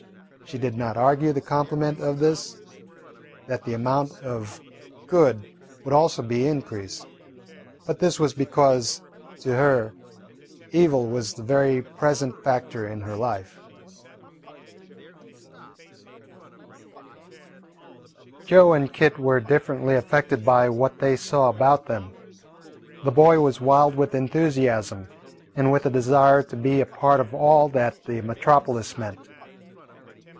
She did not argue the complement of this, that the amount of good would also be increased, but this was because to her evil was the very present factor in her life. Joe and Kit were differently affected by what they saw about them. The boy was wild with enthusiasm and with a desire to be a part of all that the metropolis meant.